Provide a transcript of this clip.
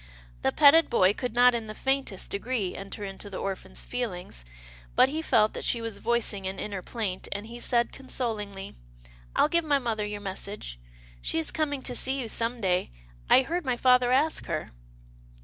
" The petted boy could not in the faintest degree enter into the orphan's feelings, but he felt that she was voicing an inner plaint, and he said consolingly, " I'll give my mother your message. She is coming to see you some day. I heard my father ask her."